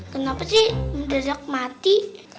kenapa sih mendadak mati